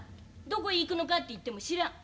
「どこへ行くのか」って言っても「知らん」。